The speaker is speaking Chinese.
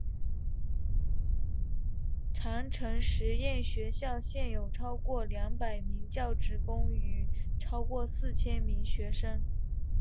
长城实验学校现有超过两百名教职工与超过四千名学生。